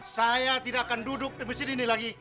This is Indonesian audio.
saya tidak akan duduk di sini lagi